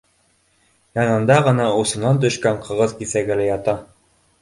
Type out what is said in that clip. Янында ғына усынан төшкән ҡағыҙ киҫәге лә ята